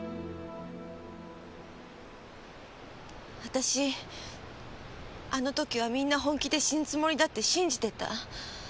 私あの時は皆本気で死ぬつもりだって信じてた。